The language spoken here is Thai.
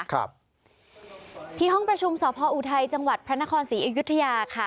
ครับที่ห้องประชุมสพออุทัยจังหวัดพระนครศรีอยุธยาค่ะ